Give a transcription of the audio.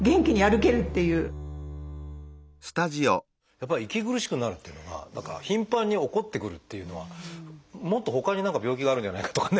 やっぱり息苦しくなるっていうのが何か頻繁に起こってくるっていうのはもっとほかに何か病気があるんじゃないかとかね